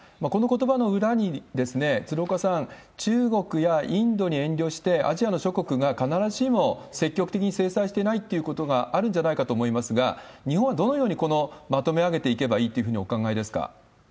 このことばの裏に、鶴岡さん、中国やインドに遠慮して、アジアの諸国が必ずしも積極的に制裁してないっていうことがあるんじゃないかと思いますが、日本はどのようにまとめ上げていけばいいというふうにお考えですか？